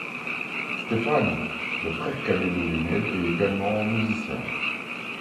Stéphane, le frère cadet de Lionel est également musicien.